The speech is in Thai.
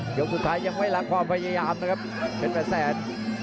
เดี๋ยวสุดท้ายยังไว้หลังความพยายามนะครับเป็นแปดแสน